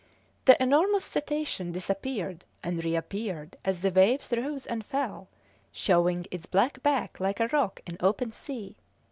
The enormous cetacean disappeared and reappeared as the waves rose and fell, showing its black back like a rock in open sea.